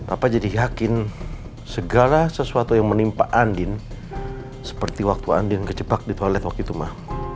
apa jadi yakin segala sesuatu yang menimpa andin seperti waktu andin kecebak di toilet waktu itu mah